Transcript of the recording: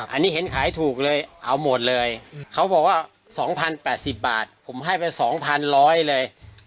อันนี้เห็นขายถูกเลยเอาหมดเลยเขาบอกว่า๒๐๘๐บาทผมให้ไป๒๑๐๐เลย